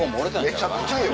めちゃくちゃよ。